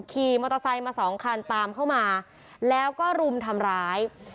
ขี่มอเตอร์ไซค์มาสองคันตามเข้ามาแล้วก็รุมทำร้าย